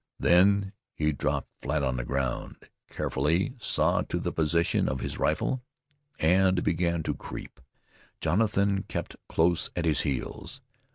Then he dropped flat on the ground, carefully saw to the position of his rifle, and began to creep. Jonathan kept close at his heels.